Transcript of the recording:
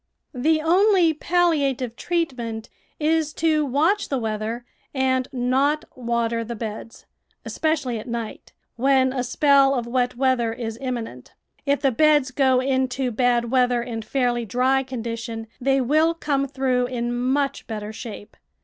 The only palliative treatment is to watch the weather and not water the beds, especially at night, when a spell of wet weather is imminent; if the beds go into bad weather in fairly dry condition they will come through in much better shape.